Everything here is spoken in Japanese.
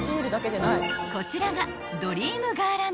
［こちらが］